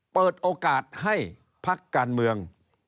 เปิดโอกาสให้พักการเมือง